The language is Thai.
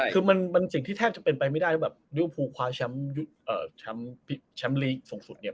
คือมันมันสิ่งที่แทบจะเป็นไปไม่ได้แบบยูภูคว้าแชมป์ชัมชัมลีกส่งสุดเนี่ย